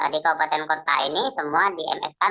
di kabupaten kota ini semua di ms kan